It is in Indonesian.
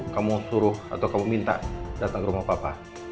kamu suruh atau kamu minta datang ke rumah bapak